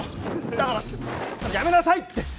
だから、やめなさいって！